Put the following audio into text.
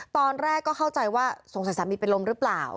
ตอนแรกก็เข้าใจว่าสงสัยสามีเป็นลมหรือเปล่า